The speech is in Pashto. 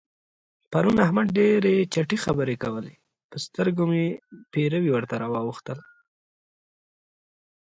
پرون احمد ډېرې چټي خبرې کول؛ پر سترګو مې پېروي ورته راواوښتل.